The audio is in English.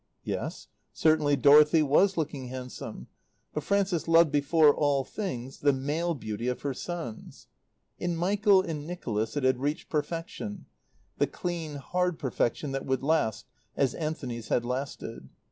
Yes, certainly Dorothy was looking handsome; but Frances loved before all things the male beauty of her sons. In Michael and Nicholas it had reached perfection, the clean, hard perfection that would last, as Anthony's had lasted.